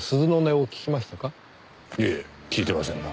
いえ聞いてませんが。